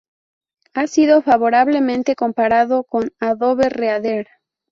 Ha sido favorablemente comparado con Adobe Reader.